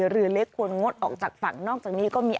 เรือเล็กควรงดออกจากฝั่งนอกจากนี้ก็มี